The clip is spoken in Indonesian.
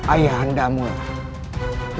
ayah anda mulai